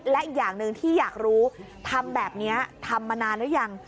และอีกอย่างหนึ่งที่อยากรู้ทำแบบนี้ทำมานานหรือยัง